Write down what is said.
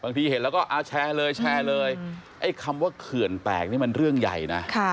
เห็นแล้วก็แชร์เลยแชร์เลยไอ้คำว่าเขื่อนแตกนี่มันเรื่องใหญ่นะ